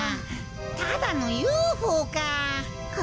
ただのＵＦＯか。